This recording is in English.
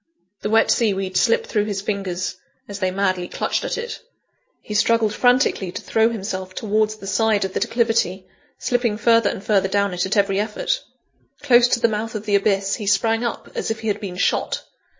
The wet sea weed slipped through his fingers, as they madly clutched at it. He struggled frantically to throw himself towards the side of the declivity; slipping further and further down it at every effort. Close to the mouth of the abyss, he sprang up as if he had been shot.